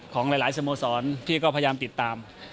ของหลายสโมสรที่ก็พยายามติดตาม